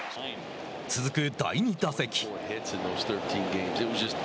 続く第２打席。